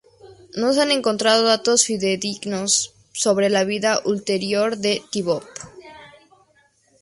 No se han encontrado datos fidedignos sobre la vida ulterior de Titov.